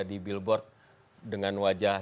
di billboard dengan wajah